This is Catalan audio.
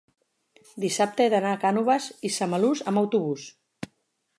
dissabte he d'anar a Cànoves i Samalús amb autobús.